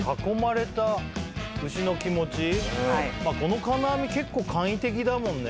この金網結構簡易的だもんね。